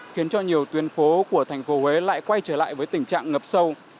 khiến cho nhiều tuyến phố của thành phố huế lại quay trở lại với tình trạng ngập sâu